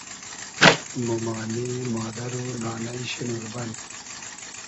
مومانی ، مادئر و نانݷ شی نوربئن